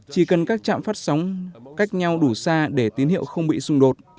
chỉ cần các trạm phát sóng cách nhau đủ xa để tín hiệu không bị xung đột